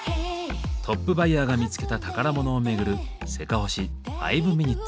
トップバイヤーが見つけた宝物を巡る「せかほし５ｍｉｎ．」。